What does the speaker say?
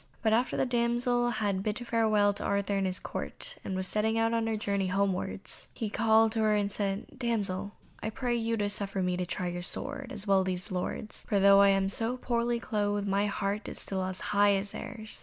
But after the damsel had bid farewell to Arthur and his Court, and was setting out on her journey homewards, he called to her and said, "Damsel, I pray you to suffer me to try your sword, as well as these lords, for though I am so poorly clothed, my heart is as high as theirs."